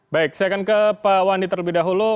baik saya akan ke pak wandi terlebih dahulu